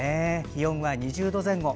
気温は２０度前後。